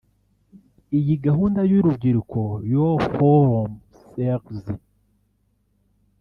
Iyi Gahunda y’urubyiruko Youth Forum Series